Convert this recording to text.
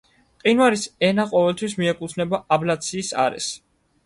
მყინვარის ენა ყოველთვის მიეკუთვნება აბლაციის არეს.